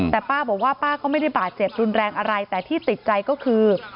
แต่ป้าบอกว่าป้าก็ไม่ได้บาดเจ็บรุนแรงอะไรแต่ที่ติดใจก็คือ